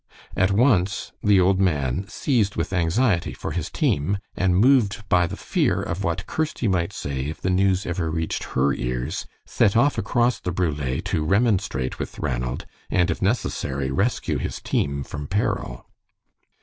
At once the old man, seized with anxiety for his team, and moved by the fear of what Kirsty might say if the news ever reached her ears, set off across the brule to remonstrate with Ranald, and if necessary, rescue his team from peril.